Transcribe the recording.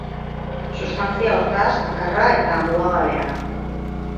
Substantzia, hortaz, bakarra eta mugagabea da.